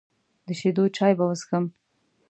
د شیدو چای به وڅښم.